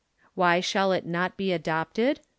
"Why shall it not be adopted ?